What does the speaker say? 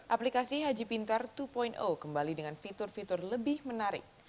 aplikasi haji pintar dua kembali dengan fitur fitur lebih menarik